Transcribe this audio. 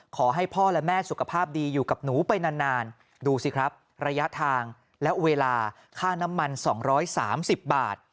ขอให้พ่อและแม่สุขภาพดีอยู่กับหนูไปนานดูสิครับระยะทางและเวลาค่าน้ำมัน๒๓๐บาท